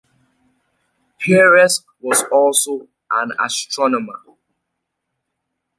Peiresc was also an astronomer.